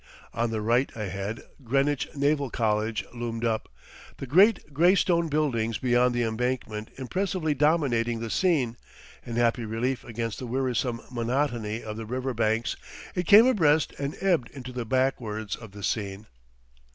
On the right, ahead, Greenwich Naval College loomed up, the great gray stone buildings beyond the embankment impressively dominating the scene, in happy relief against the wearisome monotony of the river banks; it came abreast; and ebbed into the backwards of the scene.